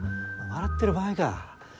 笑ってる場合か。